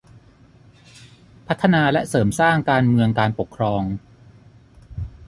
พัฒนาและเสริมสร้างการเมืองการปกครอง